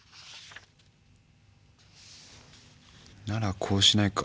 「ならこうしないか？」